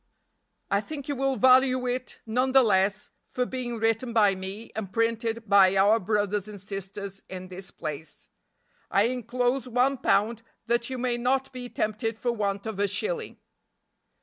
I think you will value it none the less for being written by me and printed by our brothers and sisters in this place. I inclose one pound that you may not be tempted for want of a shilling."